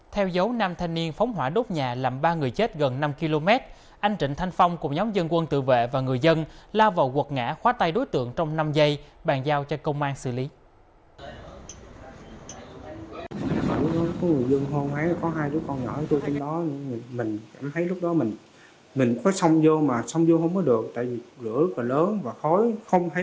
theo dấu nam thanh niên phóng hỏa đốt nhà làm ba người chết gần năm km anh trịnh thanh phong cùng nhóm dân quân tự vệ và người dân la vào quật ngã khóa tay đối tượng trong năm giây bàn giao cho công an xử lý